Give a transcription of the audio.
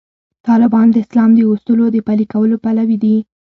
طالبان د اسلام د اصولو د پلي کولو پلوي دي.